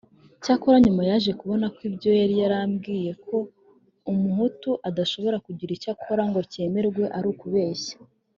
Cyakora nyuma yaje kubona ko ibyo yari yarabwiwe ko Umuhutu adashobora kugira icyo akora ngo cyemerwe ari ukubeshya